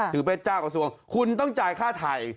ถือไปจ้ากับส่วนคุณต้องจ่ายค่าถ่าย